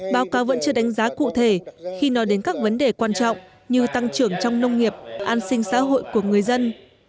báo cáo vẫn chưa đánh giá cụ thể khi nói đến các vấn đề quan trọng như tăng trưởng trong nông nghiệp an sinh xã hội của người dân